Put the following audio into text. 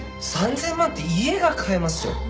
３０００万って家が買えますよ。